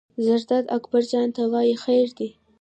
زرداد اکبر جان ته وایي: خیر دی.